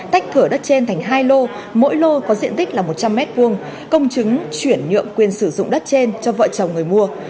tách thửa đất trên thành hai lô mỗi lô có diện tích là một trăm linh m hai công chứng chuyển nhượng quyền sử dụng đất trên cho vợ chồng người mua